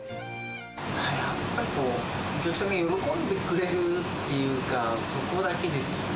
やっぱりこう、お客さんが喜んでくれるっていうか、そこだけですよね。